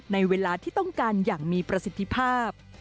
ในเวลาที่ต้องการอย่างมีประสิทธิภาพ